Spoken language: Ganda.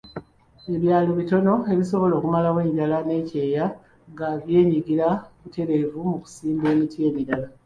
Ebyalo ebitono bisobola okumalawo enjala n'ekyeya nga byenyigira butereevu mu kusimba emiti emirala.